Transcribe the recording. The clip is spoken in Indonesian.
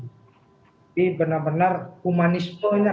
jadi benar benar humanismenya